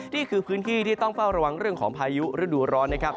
นี่คือพื้นที่ที่ต้องเฝ้าระวังเรื่องของพายุฤดูร้อนนะครับ